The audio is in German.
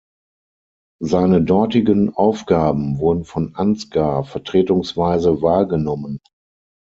Seine dortigen Aufgaben wurden von Ansgar vertretungsweise wahrgenommen.